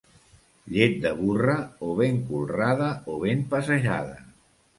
Llet de burra, o ben colrada o ben passejada.